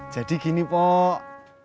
jadi gini pok